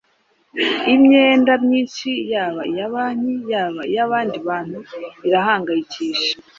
Imyenda myinshi yaba iya banki yaba iy’abandi bantu irahangayikisha.